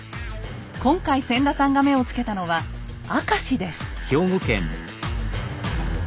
今回千田さんが目をつけたのは明石です。